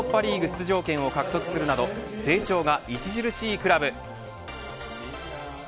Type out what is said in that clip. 出場権を獲得するなど成長が著しいクラブ。